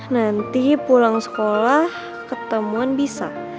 nanti pulang sekolah ketemuan bisa